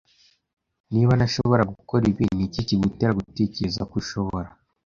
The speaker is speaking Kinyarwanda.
Niba ntashobora gukora ibi, ni iki kigutera gutekereza ko ushobora?